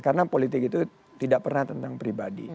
karena politik itu tidak pernah tentang pribadi